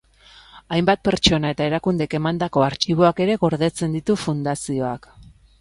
Hainbat pertsona eta erakundek emandako artxiboak ere gordetzen ditu fundazioak.